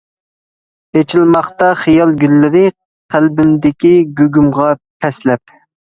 ئېچىلماقتا خىيال گۈللىرى، قەلبىمدىكى گۇگۇمغا پەسلەپ.